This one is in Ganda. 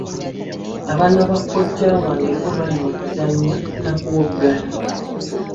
Abaana ba kojja wange bo baali mu kuzannya na kuwoggana.